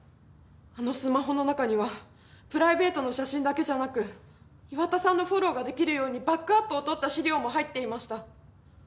あのスマホの中にはプライベートの写真だけじゃなく岩田さんのフォローができるようにバックアップを取った資料も入っていました。